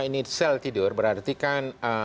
ini sel tidur berarti kan